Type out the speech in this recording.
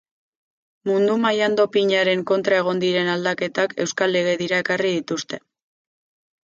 Mundu mailan dopinaren kontra egon diren aldaketak euskal legedira ekarri dituzte.